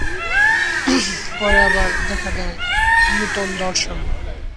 পরে আবার দেখা দেয় নূতন দর্শন।